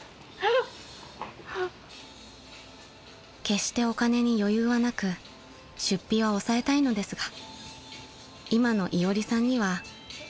［決してお金に余裕はなく出費は抑えたいのですが今のいおりさんには必要な買い物なんです］